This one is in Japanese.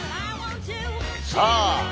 さあ